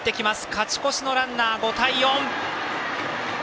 勝ち越しのランナー、５対４。